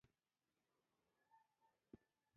په مارکيټ کی عرضه او تقاضا سره مستقیمه اړیکه لري.